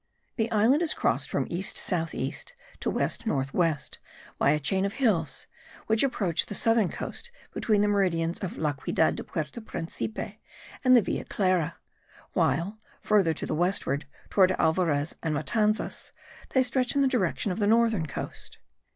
The island is crossed from east south east to west north west by a chain of hills, which approach the southern coast between the meridians of La Ciudad de Puerto Principe and the Villa Clara; while, further to the westward towards Alvarez and Matanzas, they stretch in the direction of the northern coast.